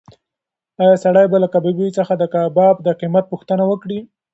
ایا سړی به له کبابي څخه د کباب د قیمت پوښتنه وکړي؟